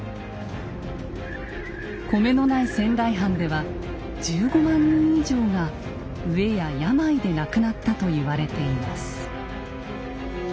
米のない仙台藩では１５万人以上が飢えや病で亡くなったと言われています。